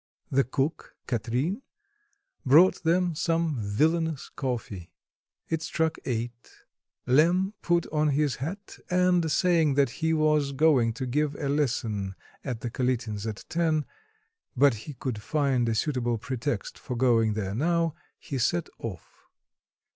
The cook, Katrine, brought them some villainous coffee. It struck eight. Lemm put on his hat, and saying that he was going to give a lesson at the Kalitins' at ten, but he could find a suitable pretext for going there now, he set off.